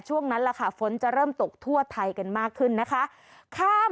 ช่วงนั้นแหละค่ะฝนจะเริ่มตกทั่วไทยกันมากขึ้นนะคะ